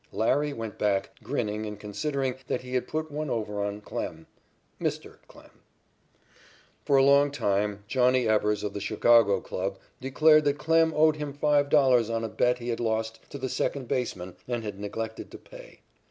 "Larry" went back, grinning and considering that he had put one over on Klem Mr. Klem. For a long time "Johnny" Evers of the Chicago club declared that Klem owed him $5 on a bet he had lost to the second baseman and had neglected to pay.